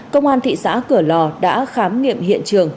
công an thị xã cửa lò đã khám nghiệm hiện trường